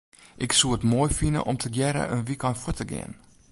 Ik soe it moai fine om tegearre in wykein fuort te gean.